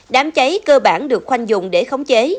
đám cháy cơ bản được khoanh dùng để khống chế